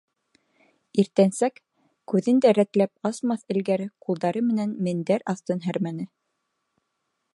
Иртәнсәк, күҙен дә рәтләп асмаҫ элгәре ҡулдары менән мендәр аҫтын һәрмәне.